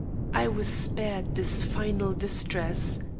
I was spared this final distress.